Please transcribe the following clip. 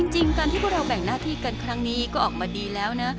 จริงการที่พวกเราแบ่งหน้าที่กันครั้งนี้ก็ออกมาดีแล้วนะ